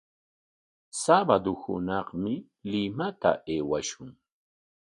Sabado hunaqmi Limaqta aywashun.